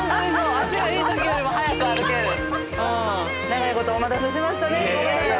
長いことお待たせしましたね。